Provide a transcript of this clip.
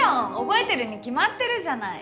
覚えてるに決まってるじゃない。